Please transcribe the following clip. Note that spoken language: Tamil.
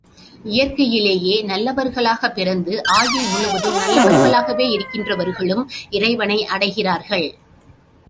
இயற்கையிலேயே நல்லவர்களாக பிறந்து, ஆயுள் முழுவதும் நல்லவர்களாகவே இருக்கின்றவர்களும் இறைவனை அடைகிறார்கள்.